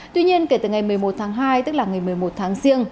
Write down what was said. tuy nhiên kể từ ngày một mươi một tháng hai tức là ngày một mươi một tháng riêng